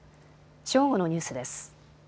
正午のニュースです。